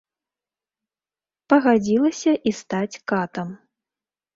Пагадзілася і стаць катам.